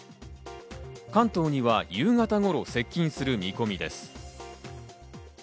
関東には夕方頃、接近する見込みです。